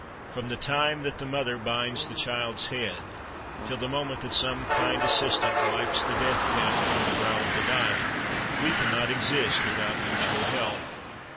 From the time that the mother binds the child's head, till the moment that some kind assistant wipes the death damp from the brow of the dying, we cannot exist without mutual help.